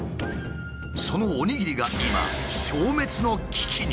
そのおにぎりが今消滅の危機に！？